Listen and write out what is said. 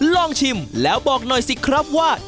ลองชิมแล้วบอกหน่อยสิครับว่า